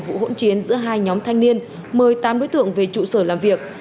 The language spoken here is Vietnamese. vụ hỗn chiến giữa hai nhóm thanh niên mời tám đối tượng về trụ sở làm việc